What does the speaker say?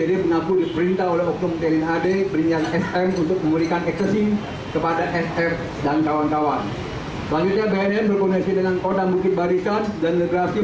ded juga mengaku masih memiliki ekstasi yang disimpan atas perintah serda sf